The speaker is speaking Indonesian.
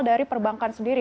dari perbankan sendiri